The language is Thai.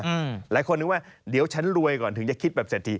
หลายคนนึกว่าเดี๋ยวฉันรวยก่อนถึงจะคิดแบบเศรษฐี